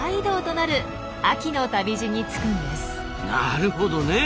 なるほどね。